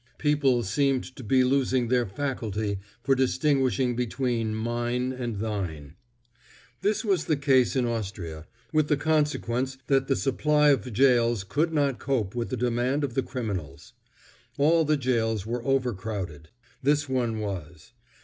People seemed to be losing their faculty for distinguishing between mine and thine. This was the case in Austria, with the consequence that the supply of gaols could not cope with the demand of the criminals. All the gaols were overcrowded. This one was.